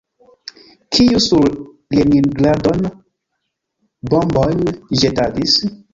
Kiu sur Leningradon bombojn ĵetadis?